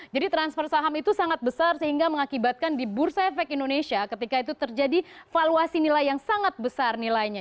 jadi transfer saham itu sangat besar sehingga mengakibatkan di bursa efek indonesia ketika itu terjadi valuasi nilai yang sangat besar nilainya